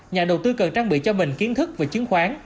nhà đầu tư cần trang bị cho mình kiến thức về chứng khoán